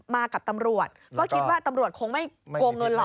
มากับตำรวจก็คิดว่าตำรวจคงไม่โกงเงินหรอก